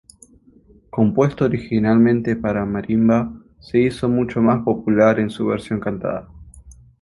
Compuesto originalmente para marimba, se hizo mucho más popular en su versión cantada.